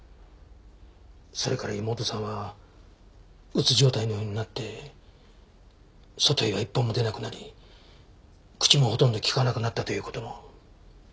それから妹さんはうつ状態のようになって外へは一歩も出なくなり口もほとんど利かなくなったという事も。